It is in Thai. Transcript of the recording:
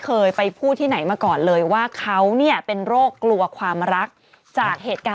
เคยไปพูดที่ไหนมาก่อนเลยว่าเขาเนี่ยเป็นโรคกลัวความรักจากเหตุการณ์